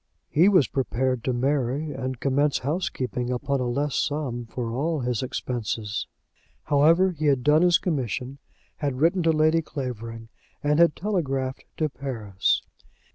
He was prepared to marry and commence housekeeping upon a less sum for all his expenses. However, he had done his commission, had written to Lady Clavering, and had telegraphed to Paris.